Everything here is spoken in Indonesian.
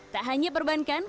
tak hanya perbankan